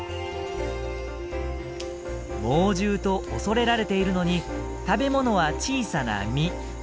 猛獣と恐れられているのに食べ物は小さな実。